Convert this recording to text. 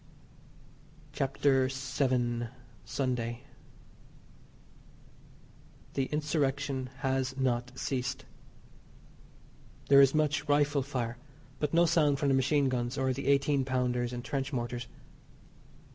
CHAPTER VII. SUNDAY. The Insurrection has not ceased. There is much rifle fire, but no sound from the machine guns or the eighteen pounders and trench mortars.